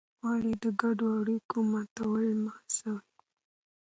ولې د ګډو اړیکو ماتول مه هڅوې؟